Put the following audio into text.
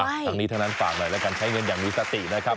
ทั้งนี้ทั้งนั้นฝากหน่อยแล้วกันใช้เงินอย่างมีสตินะครับ